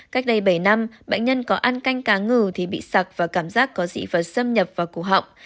cách đây bảy năm bệnh nhân có ăn canh cá ngừ thì bị sạc và cảm giác có dị vật xâm nhập vào cổ họng